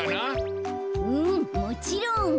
うんもちろん。